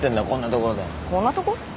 こんなとこ？